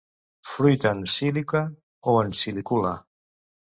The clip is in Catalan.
Fruit en síliqua o en silícula.